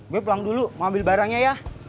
gue pulang dulu mau ambil barangnya ya